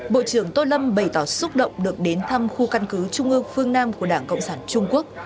bộ trưởng tô lâm bày tỏ xúc động được đến thăm khu căn cứ trung ương phương nam của đảng cộng sản trung quốc